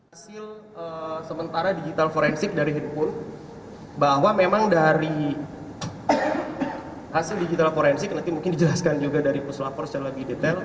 hasil sementara digital forensik dari handphone bahwa memang dari hasil digital forensik nanti mungkin dijelaskan juga dari puslapor secara lebih detail